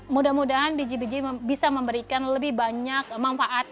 mudah mudahan biji biji bisa memberikan lebih banyak manfaat